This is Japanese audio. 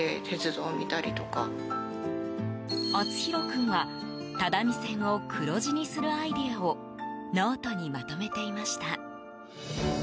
淳紘君は只見線を黒字にするアイデアをノートにまとめていました。